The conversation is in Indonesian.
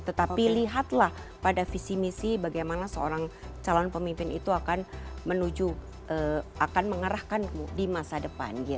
tetapi lihatlah pada visi misi bagaimana seorang calon pemimpin itu akan menuju akan mengarahkanmu di masa depan